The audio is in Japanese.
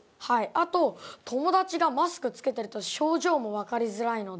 あと友達がマスク着けてると表情も分かりづらいので。